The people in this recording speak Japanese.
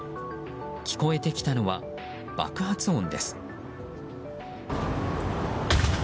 聞こえてきたのは、爆発音です。